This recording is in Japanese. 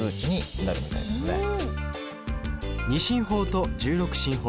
２進法と１６進法。